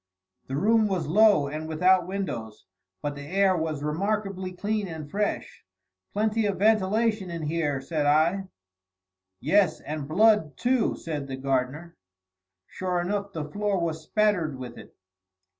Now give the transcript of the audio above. The room was low and without windows, but the air was remarkably clean and fresh. "Plenty of ventilation in here," said I. "Yes, and blood too," said the gardener. Sure enough, the floor was spattered with it.